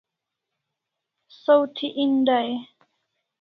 Saw thi en dai e?